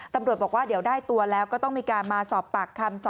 ตำรวจบอกว่าเดี๋ยวได้ตัวแล้วก็ต้องมีการมาสอบปากคำ